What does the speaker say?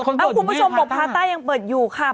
มันต้องก่อนนะคุณผู้ชมบอกพาร์ทะยังเปิดอยู่ค่ะ